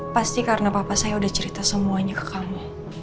pasti karena papa saya sudah cerita semuanya ke kamu